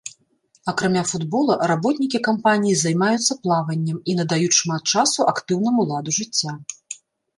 Акрамя футбола, работнікі кампаніі займаюцца плаваннем і надаюць шмат часу актыўнаму ладу жыцця.